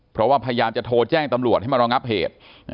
เพราะว่าพยายามจะโทรแจ้งตำรวจให้มารองับเหตุ